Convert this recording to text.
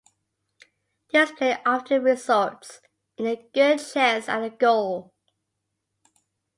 This play often results in a good chance at a goal.